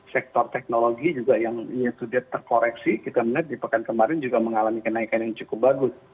sektor teknologi juga yang sudah terkoreksi kita melihat di pekan kemarin juga mengalami kenaikan yang cukup bagus